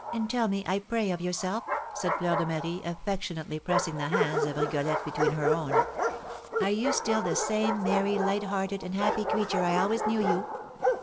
"And tell me, I pray, of yourself," said Fleur de Marie, affectionately pressing the hands of Rigolette between her own. "Are you still the same merry, light hearted, and happy creature I always knew you?"